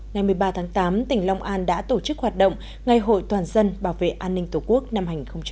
ngày một mươi ba tháng tám tỉnh long an đã tổ chức hoạt động ngày hội toàn dân bảo vệ an ninh tổ quốc năm hai nghìn một mươi chín